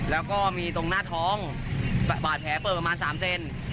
แล้วก็มีตรงหน้าท้องบาดแผลเปิดประมาณ๓เซน